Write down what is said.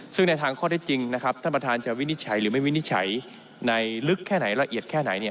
ซึ่งในทางข้อได้จริงนะครับท่านประธานจะวินิจฉัยหรือไม่วินิจฉัยในลึกแค่ไหนละเอียดแค่ไหน